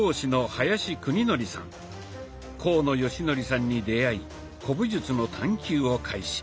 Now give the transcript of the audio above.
甲野善紀さんに出会い古武術の探究を開始。